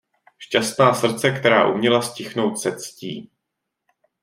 Šťastná srdce, která uměla ztichnout se ctí.